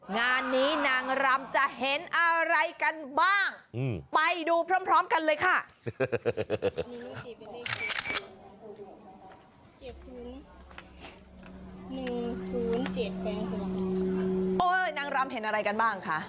งานนี้นางรำจะเห็นอะไรกันบ้างไปดูพร้อมกันเลยค่ะ